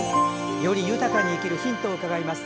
より豊かに生きるヒントを伺います。